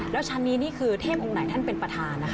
แล้วชั้นนี้นี่คือเทพองค์ไหนท่านเป็นประธานนะคะ